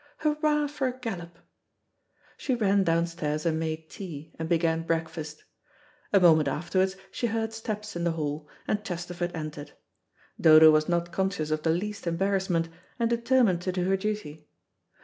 "Hurrah for a gallop." She ran downstairs and made tea, and began breakfast. A moment afterwards she heard steps in the hall, and Chesterford entered. Dodo was not conscious of the least embarrassment, and determined to do her duty.